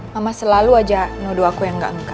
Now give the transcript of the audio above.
mama selalu aja nodo aku yang gak engga